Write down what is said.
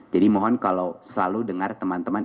jadi mohon kalau selalu dengar teman teman